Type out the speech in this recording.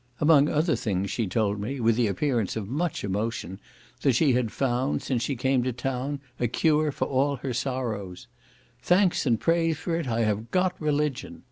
Among other things, she told me, with the appearance of much emotion, that she had found, since she came to town, a cure for all her sorrows, "Thanks and praise for it, I have got religion!"